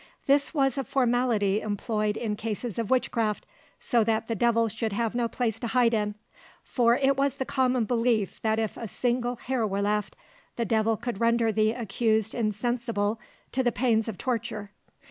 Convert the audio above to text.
This was a formality employed in cases of witchcraft, so that the devil should have no place to hide in; for it was the common belief that if a single hair were left, the devil could render the accused insensible to the pains of torture.